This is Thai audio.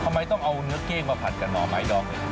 ทำไมต้องเอาเนื้อเก้งมาผัดกับหน่อไม้ดองเลย